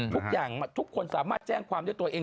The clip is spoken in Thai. ทุกอย่างทุกคนสามารถแจ้งความด้วยตัวเอง